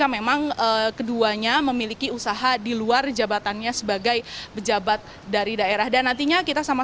memang keduanya memiliki usaha di luar jabatannya sebagai pejabat dari daerah dan nantinya kita sama